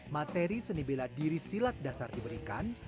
materi seni bela diri silat dasar diberikan